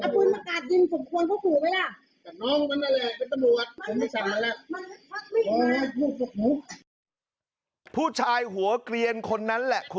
เพราะว่าผู้หัวต้องถูกหนูอะไรไม่รู้